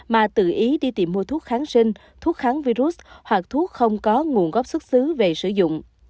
mà tự ý đi tìm mua thuốc kháng sinh thuốc kháng virus hoặc thuốc không có nguồn gốc xuất xứ về sử dụng